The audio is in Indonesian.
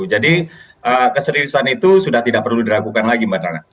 jadi keseriusan itu sudah tidak perlu diragukan lagi mbak rana